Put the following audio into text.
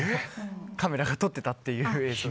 カメラが撮っていたという。